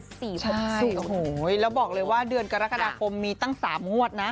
โอ้โหแล้วบอกเลยว่าเดือนกรกฎาคมมีตั้ง๓งวดนะ